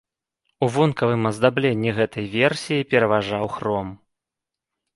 У вонкавым аздабленні гэтай версіі пераважаў хром.